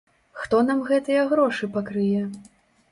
Хто нам гэтыя грошы пакрые?